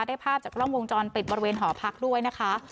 ภาพจากกล้องวงจรปิดบริเวณหอพักด้วยนะคะ